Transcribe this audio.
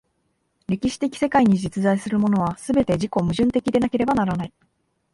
歴史的世界に実在するものは、すべて自己矛盾的でなければならない。